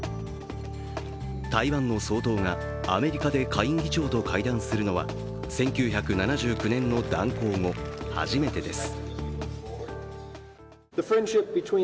台湾の総統がアメリカで下院議長と会談するのは、１９７９年の断交後、初めてです。